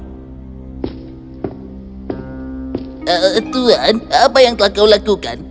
tuan apa yang telah kau lakukan